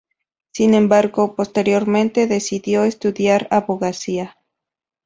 Sin embargo, posteriormente decidió estudiar abogacía.